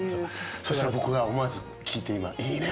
そしたら僕が思わず聴いて今「いいね！」